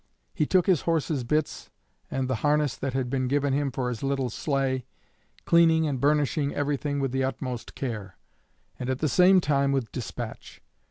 He took his horse's bits and the harness that had been given him for his little sleigh, cleaning and burnishing everything with the utmost care, and at the same time with despatch.